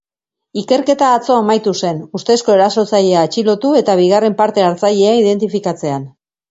Ikerketa atzo amaitu zen, ustezko erasotzailea atxilotu eta bigarren parte-hartzailea identifikatzean.